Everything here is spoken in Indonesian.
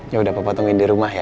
yaudah papa tungguin deh ya